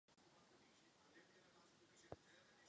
Během studií často navštěvoval moskevské knihovny a muzea.